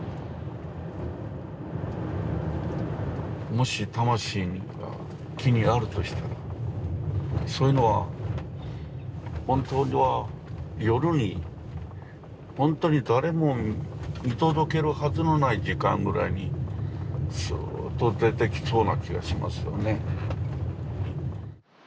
もし魂が木にあるとしたらそういうのは本当は夜に本当に誰も見届けるはずのない時間ぐらいにすっと出てきそうな気がしますよね。